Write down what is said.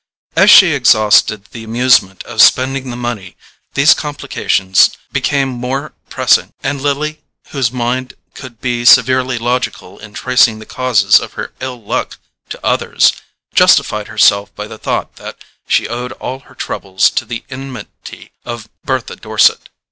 As she exhausted the amusement of spending the money these complications became more pressing, and Lily, whose mind could be severely logical in tracing the causes of her ill luck to others, justified herself by the thought that she owed all her troubles to the enmity of Bertha Dorset.